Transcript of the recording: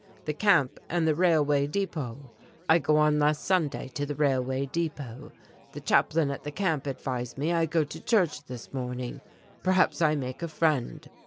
The Camp and the railway depot. I go on last Sunday to the railway depot. The Chaplain at the Camp advise me I go to church this morning. Perhaps I make a friend."